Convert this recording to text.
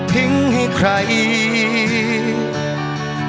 ทิ้งให้ใคร